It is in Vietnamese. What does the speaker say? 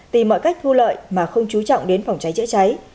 tìm mọi cách thu lợi mà không chú trọng đến phòng cháy chữa cháy